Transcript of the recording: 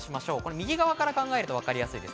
右側から考えてわかりやすい。